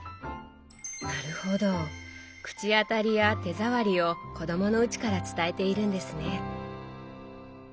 なるほど口当たりや手触りを子どものうちから伝えているんですね。